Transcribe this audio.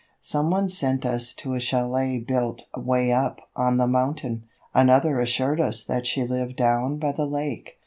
Some one sent us to a chalet built way up on the mountain; another assured us that she lived down by the lake.